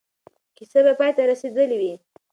کیسه به پای ته رسېدلې وي.